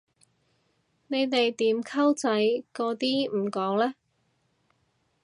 你哋點溝仔嗰啲唔講嘞？